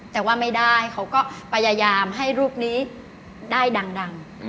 แต่ว่าไม่ได้เขาก็พยายามให้รูปนี้ได้ดัง